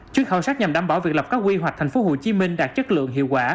chuyến khảo sát nhằm đảm bảo việc lập các quy hoạch tp hcm đạt chất lượng hiệu quả